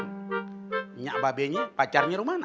minyak babe nya pacarnya rumana